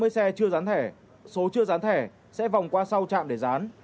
chín trăm tám mươi xe chưa gián thẻ số chưa gián thẻ sẽ vòng qua sau trạm để gián